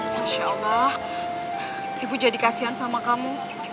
masya allah ibu jadi kasihan sama kamu